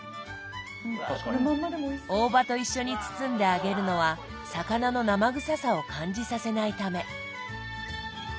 大葉と一緒に包んで揚げるのは魚の生臭さを感じさせないため。